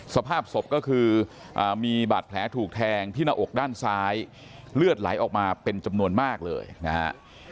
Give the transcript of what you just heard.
สภาพศพก็คือมีบาดแผลถูกแทงที่หน้าอกด้านซ้ายเลือดไหลออกมาเป็นจำนวนมากเลยนะฮะ